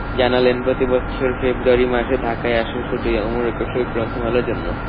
জানালেন, প্রতিবছর ফেব্রুয়ারি মাসে ঢাকায় আসেন শুধুই অমর একুশে গ্রন্থমেলার জন্য।